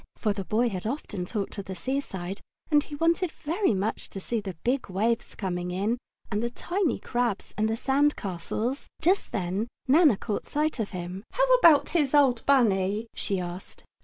For the boy had often talked of the seaside, and he wanted very much to see the big waves coming in, and the tiny crabs, and the sand castles. Just then Nana caught sight of him. "How about his old Bunny?" she asked.